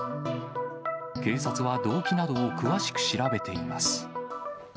警察は、動機などを詳しく調べています。